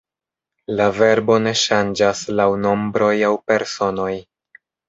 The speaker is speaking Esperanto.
La verbo ne ŝanĝas laŭ nombroj aŭ personoj.